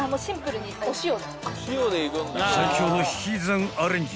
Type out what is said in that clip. ［最強の引き算アレンジ］